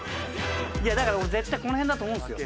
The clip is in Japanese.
いやだから俺絶対この辺だと思うんですよ。